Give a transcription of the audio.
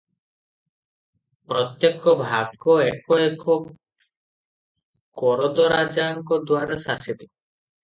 ପ୍ରତ୍ୟେକ ଭାଗ ଏକ ଏକ କରଦରାଜାଙ୍କଦ୍ୱାରା ଶାସିତ ।